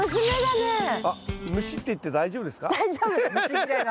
あっ虫って言って大丈夫ですか？